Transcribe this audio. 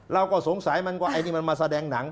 เราก็สงสัยมันว่าไอ้นี่มันมาแสดงหนัง